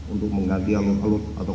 untuk mengganti kapal tunda yang sudah tua